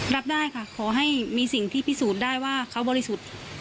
รับได้ค่ะขอให้มีสิ่งที่พิสูจน์ได้ว่าเขาบริสุทธิ์